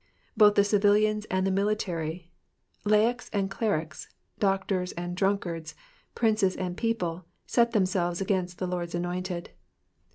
'" Both the civilians and the military, laics and clerics, doctors and drunkards, princes and people, set themselves against the Lord's anointed.